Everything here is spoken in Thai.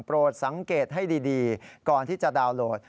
สังเกตให้ดีก่อนที่จะดาวน์โหลด